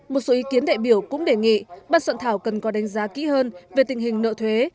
một số ý kiến đại biểu cũng đề nghị ban soạn thảo cần có đánh giá kỹ hơn về tình hình nợ thuế